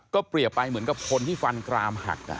เปรียบไปเหมือนกับคนที่ฟันกรามหัก